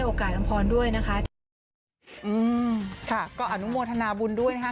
โอกาสน้องพรด้วยนะคะที่อืมค่ะก็อนุโมทนาบุญด้วยนะคะ